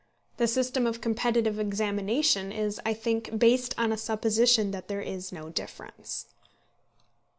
The system of competitive examination is, I think, based on a supposition that there is no difference.